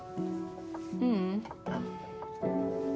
ううん。